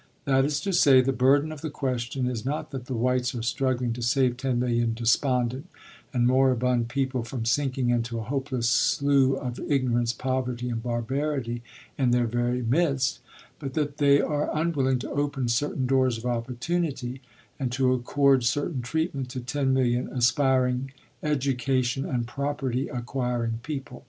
That is to say, the burden of the question is not that the whites are struggling to save ten million despondent and moribund people from sinking into a hopeless slough of ignorance, poverty, and barbarity in their very midst, but that they are unwilling to open certain doors of opportunity and to accord certain treatment to ten million aspiring, education and property acquiring people.